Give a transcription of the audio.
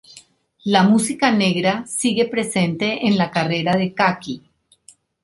La música negra sigue presente en la carrera de Kaki.